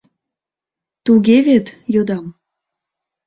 Туге вет? — йодам.